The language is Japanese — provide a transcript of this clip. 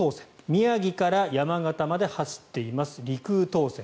宮城から山形まで走っている陸羽東線。